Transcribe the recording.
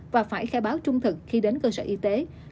và phải khai báo trung thực khi đến cơ sở y tế